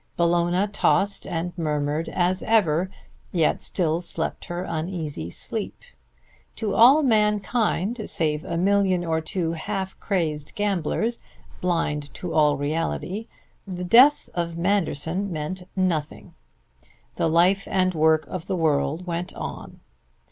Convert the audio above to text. Bellona tossed and murmured as ever, yet still slept her uneasy sleep. To all mankind save a million or two of half crazed gamblers, blind to all reality, the death of Manderson meant nothing; the life and work of the world went on.